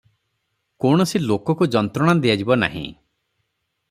କୌଣସି ଲୋକକୁ ଯନ୍ତ୍ରଣା ଦିଆଯିବ ନାହିଁ ।